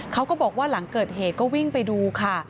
เขาก็บอกว่าหลังเกิดเหตุก็วิ่งไปดูค่ะ